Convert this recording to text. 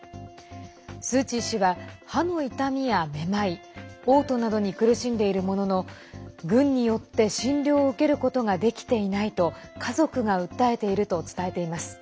スー・チー氏は歯の痛みやめまいおう吐などに苦しんでいるものの軍によって、診療を受けることができていないと家族が訴えていると伝えています。